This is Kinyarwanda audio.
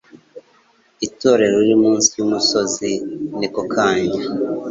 Itorero riri munsi yumusozi. (NekoKanjya)